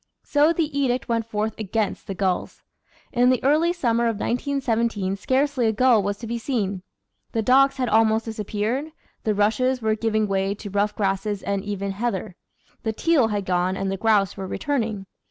So the edict went forth against the gulls. In the early summer of 1917 scarcely a gull was to be seen ; the docks had almost disappeared ; the rushes were giving way to rough grasses and even heather ; the teal had gone and the grouse were returning.